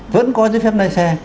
vẫn có giấy phép lái xe